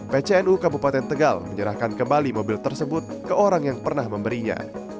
pcnu kabupaten tegal menyerahkan kembali mobil tersebut ke orang yang pernah memberinya